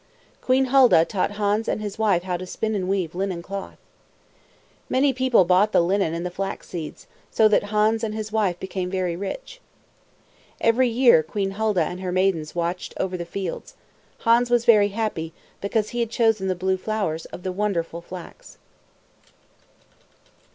Queen Hulda taught Hans and his wife how to spin and weave linen cloth. Many people bought the linen and the flax seeds, so that Hans and his wife became very rich. Every year Queen Hulda and her maidens watched over the fields. Hans was very happy, because he had chosen the blue flowers of the wonderful flax.